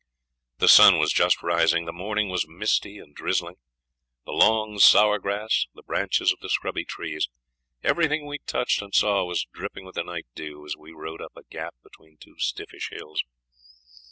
The sun was just rising, the morning was misty and drizzling; the long sour grass, the branches of the scrubby trees, everything we touched and saw was dripping with the night dew, as we rode up a 'gap' between two stiffish hills.